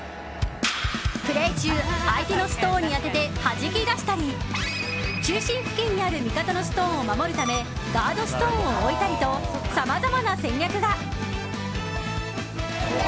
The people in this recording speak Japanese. プレー中相手のストーンに当ててはじき出したり中心付近にある味方のストーンを守るためガードストーンを置いたりとさまざまな戦略が。